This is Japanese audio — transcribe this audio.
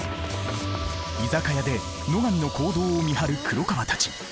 居酒屋で野上の行動を見張る黒川たち。